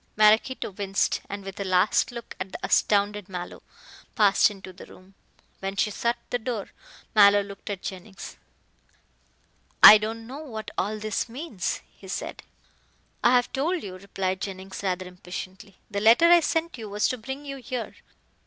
Maraquito winced, and with a last look at the astounded Mallow, passed into the room. When she shut the door Mallow looked at Jennings. "I don't know what all this means," he said. "I have told you," replied Jennings, rather impatiently, "the letter I sent you was to bring you here.